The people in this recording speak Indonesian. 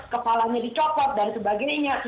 kepalanya dicopot dan sebagainya